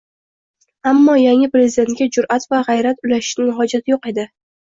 Ammo yangi prezidentga jur’at va g‘ayrat ulashishning hojati yo‘q edi